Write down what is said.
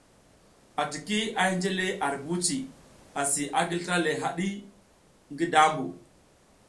ATIKI a hinje le ar buci, asi a gi slra le haɗa ngi dambu.